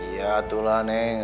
ya itulah neng